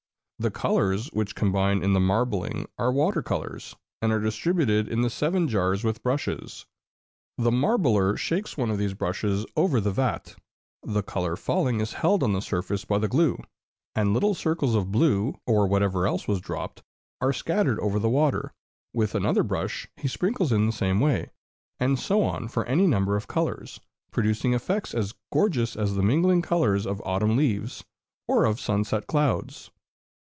The colors which combine in the marbling are water colors, and are distributed in the seven jars with brushes. The marbler shakes one of these brushes over the vat, the color falling is held on the surface by the glue, and little circles of blue, or whatever was dropped, are scattered over the water; with another brush he sprinkles in the same way, and so on for any number of colors, producing effects as gorgeous as the mingling colors of autumn leaves or of sunset clouds.